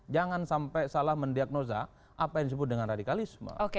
jangan sampai salah mendiagnosa apa yang disebut dengan radikalisme